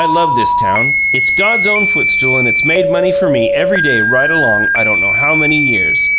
I love this town. It's God's own footstool, and it's made money for me every day right along, I don't know how many years.